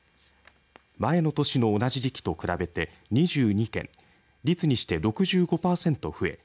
前の年の同じ時期と比べて２２件率にして６５パーセント増え